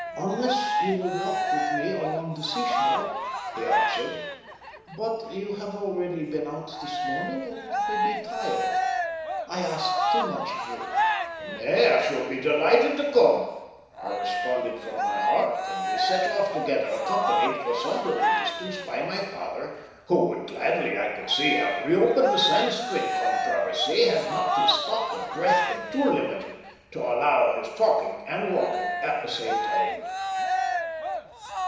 "Unless you will walk with me along the sea shore," he answered. "But you have already been out this morning, and may be tired. I ask too much of you." "Nay, I should be delighted to come," I responded from my heart, and we set off together, accompanied for some little distance by my father, who would gladly, I could see, have reopened the Sanscrit controversy, had not his stock of breath been too limited to allow of his talking and walking at the same time.